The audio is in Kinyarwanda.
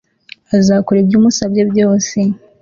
Azakora ibyo umusabye byose